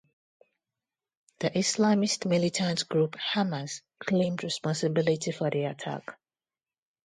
The Islamist militant group Hamas claimed responsibility for the attack.